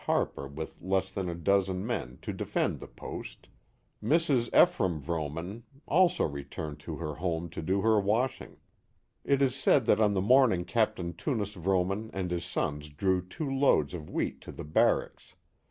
Harper with lefi than a donen men, to defend the post. Mrs. Ephraim Vrooman also returned to her home to do her washing. It is said that on that morning Capt. Tunis Vrooman and his sons drew two loads of wheat to the barracks.